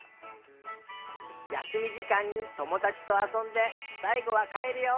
やすみじかんにともだちとあそんでさいごはかえるよ。